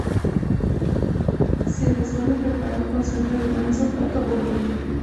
Se la suele preparar con sangre de ganso, pato o gallina.